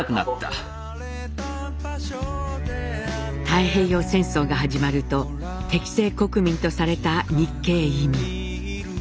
太平洋戦争が始まると「敵性国民」とされた日系移民。